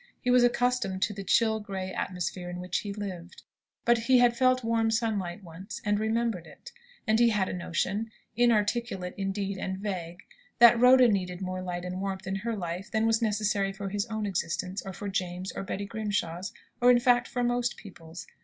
He was accustomed to the chill, grey atmosphere in which he lived. But he had felt warm sunlight once, and remembered it. And he had a notion inarticulate, indeed, and vague that Rhoda needed more light and warmth in her life than was necessary for his own existence, or for James's, or Betty Grimshaw's, or, in fact, for most people's.